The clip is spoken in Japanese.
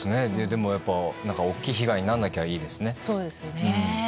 大きい被害にならなきゃいいですね。